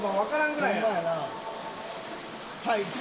はい。